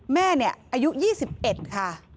แม่อายุ๒๑ค่ะ